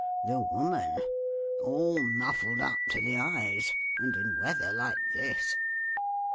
The woman. All muffled up to the eyes and in weather like this.